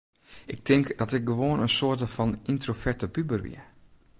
Ik tink dat ik gewoan in soarte fan yntroverte puber wie.